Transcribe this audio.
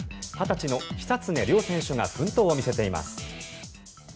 ２０歳の久常涼選手が奮闘を見せています。